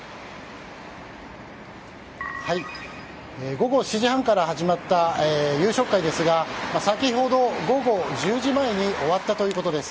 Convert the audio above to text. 午後７時半から始まった夕食会ですが先ほど、午後１０時前に終わったということです。